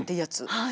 はい。